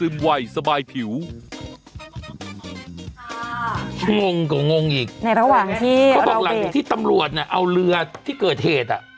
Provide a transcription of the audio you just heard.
งงกับงงอีกในระหว่างที่ที่ทำรวจน่ะเอาเรือที่เกิดเหตุอ่ะ